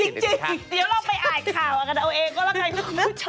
เดี๋ยวเราไปอ่านข่าวกันเอาเอง